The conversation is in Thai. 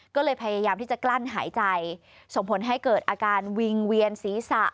ก็เลยพยายามที่จะกลั้นหายใจส่งผลให้เกิดอาการวิงเวียนศีรษะ